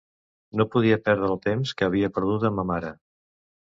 No podia perdre el temps que havia perdut amb ma mare.